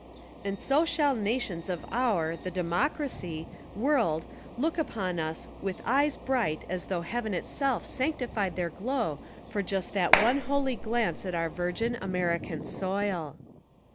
And so shall nations of our, the DEMOCRACY, world look upon us with eyes bright as though heaven itself sanctified their glow for just that one holy glance at our virgin, American soil.